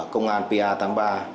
công an pa tám mươi ba